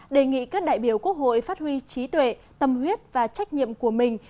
đề nghị các đại biểu quốc hội phát huy trí tuệ tâm huyết và trách nhiệm của mình